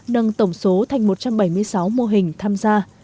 nâng tổng số thành một trăm bảy mươi sáu mô hình tham gia